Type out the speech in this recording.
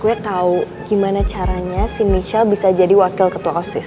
gue tau gimana caranya si michelle bisa jadi wakil ketua osis